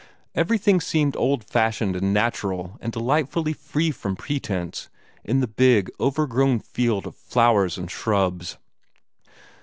Everything seemed old fashioned and natural and delightfully free from pretence in the big, overgrown field of flowers and shrubs.